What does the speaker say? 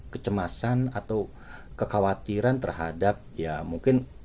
kecemasan atau kekhawatiran terhadap ya mungkin